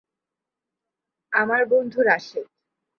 বইগুলি পরে চলচ্চিত্র এবং টিভি সিরিজ হিসাবে রূপান্তরিত হয়েছে।